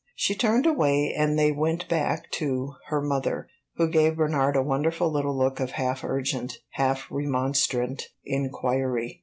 She turned away, and they went back to her mother, who gave Bernard a wonderful little look of half urgent, half remonstrant inquiry.